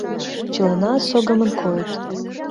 Чыланат согымын койыт.